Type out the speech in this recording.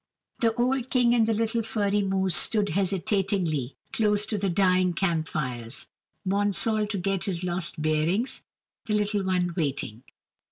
The old King and the little furry moose stood hesitatingly close to the dying camp fires, Monsall to get his lost bearings, the little one waiting.